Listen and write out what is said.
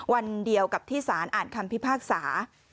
วันเดียวกับที่สารอ่านคำพิพากษา